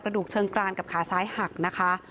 ดูเชิงกรานกับขาซ้ายหักนะคะ